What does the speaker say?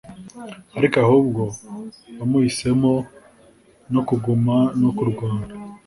ariko ahubwo wamuhisemo, no kuguma no kurwana